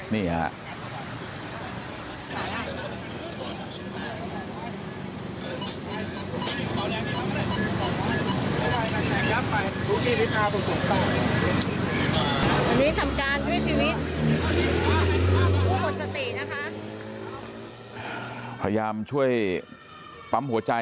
พยายามช่วยปั๊มหัวใจ